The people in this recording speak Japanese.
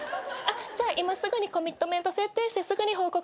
じゃあ今すぐにコミットメント設定してすぐに報告してきてください。